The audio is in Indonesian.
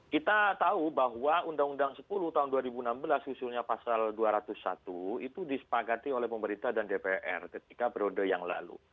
kita tahu bahwa undang undang sepuluh tahun dua ribu enam belas usulnya pasal dua ratus satu itu disepakati oleh pemerintah dan dpr ketika periode yang lalu